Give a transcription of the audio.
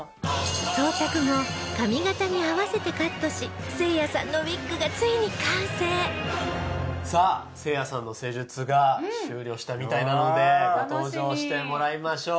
装着後髪形に合わせてカットしせいやさんのウィッグがついに完成さあせいやさんの施術が終了したみたいなのでご登場してもらいましょう。